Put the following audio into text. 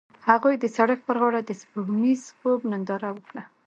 هغوی د سړک پر غاړه د سپوږمیز خوب ننداره وکړه.